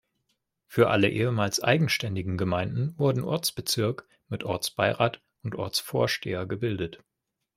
Für alle ehemals eigenständigen Gemeinden wurden Ortsbezirk mit Ortsbeirat und Ortsvorsteher gebildet.